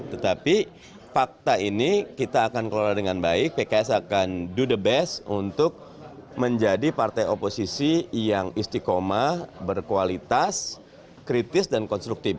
tetapi fakta ini kita akan kelola dengan baik pks akan do the best untuk menjadi partai oposisi yang istiqomah berkualitas kritis dan konstruktif